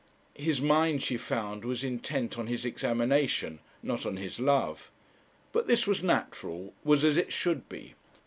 His mind she found was intent on his examination, not on his love. But this was natural, was as it should be.